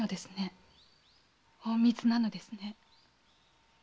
隠密なのですね？